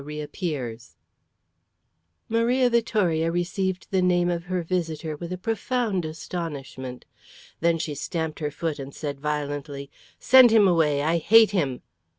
CHAPTER XXIV Maria Vittoria received the name of her visitor with a profound astonishment. Then she stamped her foot and said violently, "Send him away! I hate him."